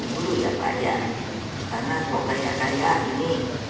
perlu ya pak jan karena kok kaya kaya ini